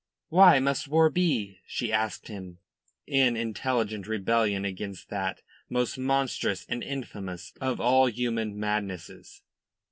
"Why must war be?" she asked him, in intelligent rebellion against that most monstrous and infamous of all human madnesses.